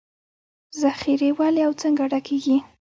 ذخیرې ولې او څنګه ډکېږي